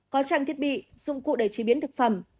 có trang thiết bị dụng cụ để chế biến thực phẩm